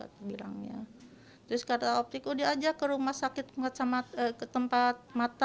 terus kata optik oh diajak ke rumah sakit ke tempat mata